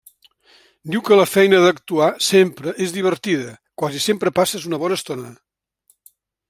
Diu que la feina d'actuar, sempre, és divertida, quasi sempre passes una bona estona.